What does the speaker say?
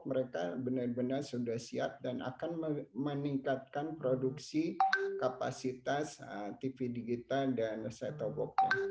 mereka benar benar sudah siap dan akan meningkatkan produksi kapasitas tv digital dan setobok